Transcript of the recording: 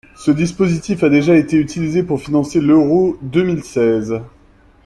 Ce dispositif a déjà été utilisé pour financer l’Euro deux mille seize.